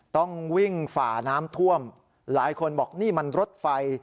ต้องวิ่งฝ่าน้ำท่วมหลายคนบอกนี่มันรถไฟ